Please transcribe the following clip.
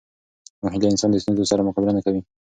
ناهیلي انسان د ستونزو سره مقابله نه کوي.